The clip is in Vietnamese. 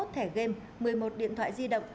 chín mươi một thẻ game một mươi một điện thoại di động